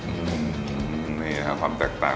อืมนี่ค่ะความแตกต่าง